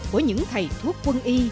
của những thầy thuốc quân y